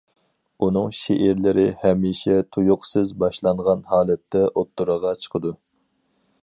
ئۇنىڭ شېئىرلىرى ھەمىشە تۇيۇقسىز باشلانغان ھالەتتە ئوتتۇرىغا چىقىدۇ.